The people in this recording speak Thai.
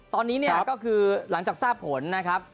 ตอนนี้เนี่ยก็คือหลังจากทราบผลนะครับ